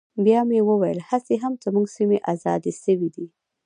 بيا مې وويل هسې هم زموږ سيمې ازادې سوي دي.